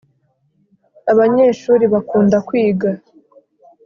abanyeshuri bakunda kwiga